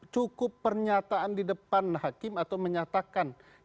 cukup pernyataan di depan hakim atau menyatakan